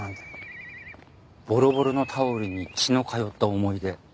ボロボロのタオルに血の通った思い出。